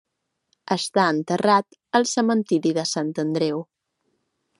Està enterrat al cementiri de Sant Andreu.